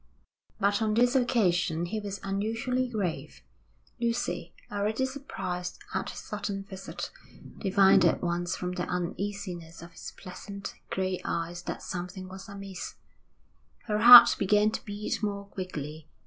But on this occasion he was unusually grave. Lucy, already surprised at his sudden visit, divined at once from the uneasiness of his pleasant, grey eyes that something was amiss. Her heart began to beat more quickly.